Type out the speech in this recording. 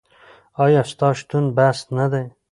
ایا ستا شتون بس نه دی؟